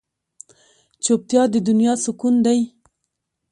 چوپتیا، د دنیا سکون دی.